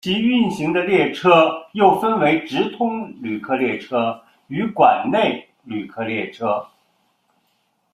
其运行的列车又分为直通旅客列车与管内旅客列车。